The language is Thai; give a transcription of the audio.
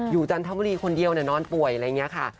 จันทบุรีคนเดียวนอนป่วยอะไรอย่างนี้ค่ะ